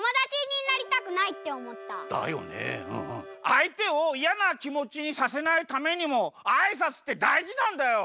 あいてをいやなきもちにさせないためにもあいさつってだいじなんだよ。